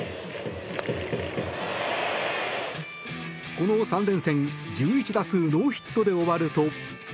この３連戦１１打数ノーヒットで終わると。